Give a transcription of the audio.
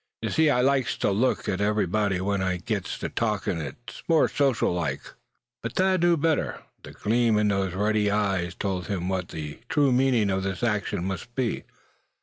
"Yuh see, I likes ter look at everybody w'en I gets ter talkin'. It's more sociable like." But Thad knew better. The gleam in those beady eyes told him what the true meaning of this action must be.